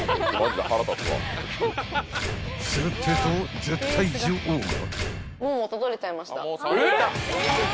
［するってえと絶対女王が］